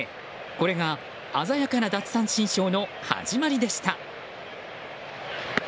これが鮮やかな奪三振ショーの始まりでした。